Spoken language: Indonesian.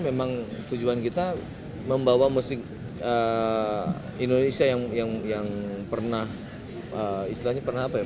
sebelumnya noah telah mengaran semen tembang milik kus plus